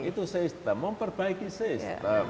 itu sistem itu sistem memperbaiki sistem